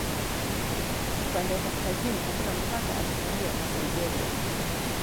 Upande wa kaskazini hakuna mpaka asilia na Siberia.